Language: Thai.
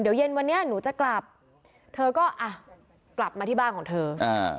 เดี๋ยวเย็นวันนี้หนูจะกลับเธอก็อ่ะกลับมาที่บ้านของเธออ่า